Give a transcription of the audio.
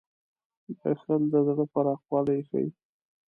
• بښل د زړه پراخوالی ښيي.